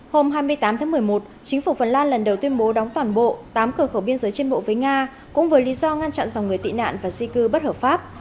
hôm hai mươi tám tháng một mươi một chính phủ phần lan lần đầu tuyên bố đóng toàn bộ tám cửa khẩu biên giới trên bộ với nga cũng với lý do ngăn chặn dòng người tị nạn và di cư bất hợp pháp